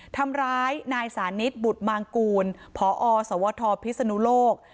ทำร้ายนายสานิทบุตรมางกูลพอสวทพิศนุโลก